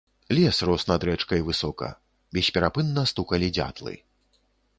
Лес рос над рэчкай высока, бесперапынна стукалі дзятлы.